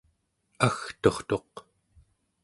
agturtuq